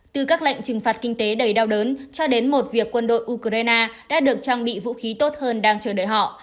từ các lệnh trừng phạt kinh tế đầy đau đớn cho đến một việc quân đội ukraine đã được trang bị vũ khí tốt hơn đang chờ đợi họ